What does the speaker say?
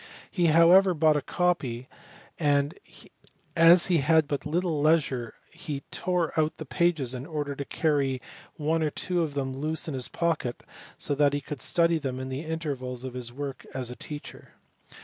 He however bought a copy, and as he had but little leisure he tore out the pages in order to carry one or two of them loose in his pocket so that he could study them in the intervals of his work as a teacher.